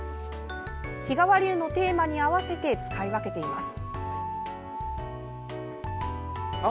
日替わり湯のテーマに合わせて使い分けています。